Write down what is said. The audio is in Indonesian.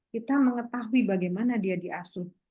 kita mengetahui bagaimana dia diasuh